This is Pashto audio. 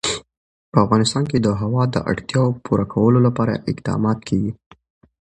په افغانستان کې د هوا د اړتیاوو پوره کولو لپاره اقدامات کېږي.